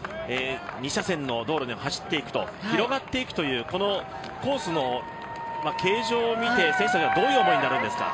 ２車線の道路で走って行くと広がっていくこのコースの形状を見て選手たちはどういう思いなんですか。